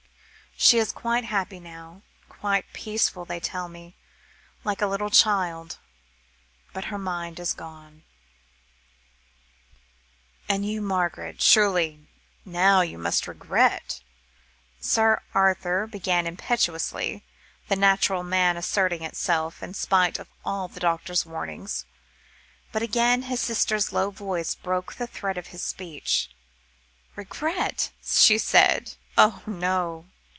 She is quite happy now, quite peaceful, they tell me, like a little child, but her mind has gone." "And you, Margaret, surely now you must regret," Sir Arthur began impetuously, the natural man asserting itself, in spite of all the doctor's warnings. But again his sister's low voice broke the thread of his speech. "Regret?" she said. "Oh! no.